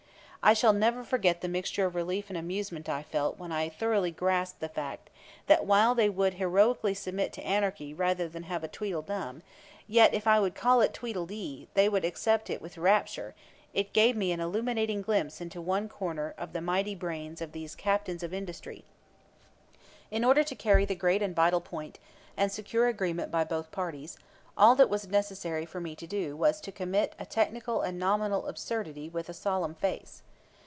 I shall never forget the mixture of relief and amusement I felt when I thoroughly grasped the fact that while they would heroically submit to anarchy rather than have Tweedledum, yet if I would call it Tweedledee they would accept it with rapture; it gave me an illuminating glimpse into one corner of the mighty brains of these "captains of industry." In order to carry the great and vital point and secure agreement by both parties, all that was necessary for me to do was to commit a technical and nominal absurdity with a solemn face.